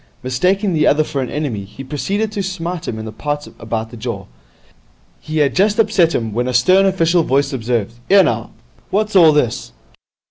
Mistaking the other for an enemy, he proceeded to smite him in the parts about the jaw. He had just upset him, when a stern official voice observed, ''Ere, now, what's all this?'